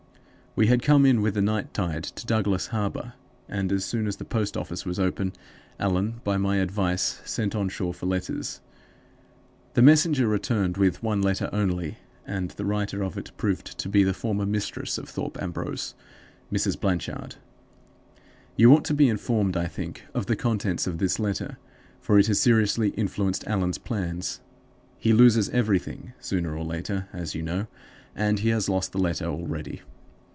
We had come in with the night tide to Douglas Harbor, and, as soon as the post office was open; Allan, by my advice, sent on shore for letters. The messenger returned with one letter only, and the writer of it proved to be the former mistress of Thorpe Ambrose Mrs. Blanchard. "You ought to be informed, I think, of the contents of this letter, for it has seriously influenced Allan's plans. He loses everything, sooner or later, as you know, and he has lost the letter already.